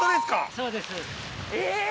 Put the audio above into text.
そうですえ